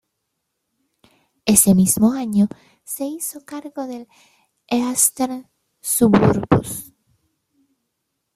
Ese mismo año se hizo cargo del Eastern Suburbs.